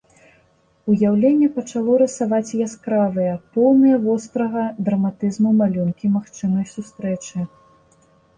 Уяўленне пачало рысаваць яскравыя, поўныя вострага драматызму малюнкі магчымай сустрэчы.